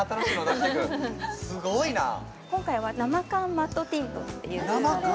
今回は生感マットティントっていう生感